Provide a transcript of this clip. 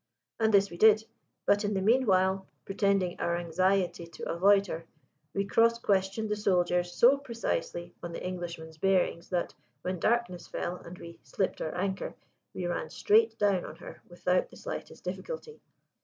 And this we did: but in the meanwhile, pretending our anxiety to avoid her, we cross questioned the soldiers so precisely on the Englishman's bearings that, when darkness fell and we slipped our anchor, we ran straight down on her without the slightest difficulty.